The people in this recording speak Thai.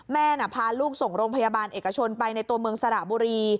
แม่น่ะพาลูกส่งโรงพยาบาลเอกชนไปในตัวเมืองสระบุรี